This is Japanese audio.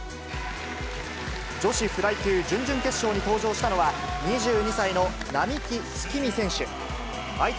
女子フライ級準々決勝に登場したのは、２２歳の並木月海選手。